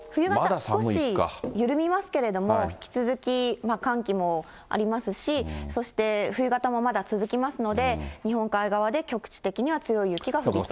少し緩みますけれども、引き続き寒気もありますし、そして、冬型もまだ続きますので、日本海側で局地的には強い雪が降りそうです。